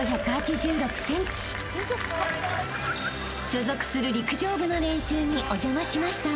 ［所属する陸上部の練習にお邪魔しました］